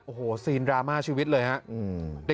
โอ้โหซีนดราม่าชีวิตเลยครับ